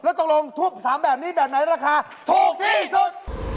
แล้วตรงรวมถูก๓แบบนี้แบบไหนราคาถูกที่สุด